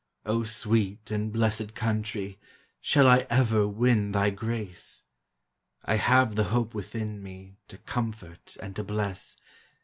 sweet and blessed Country, Shall I ever win thy "race? 1 have the hope within me To comfort and to bless!